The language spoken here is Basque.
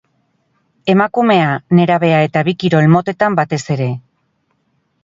Emakumea, nerabea eta bi kirol motetan batez ere.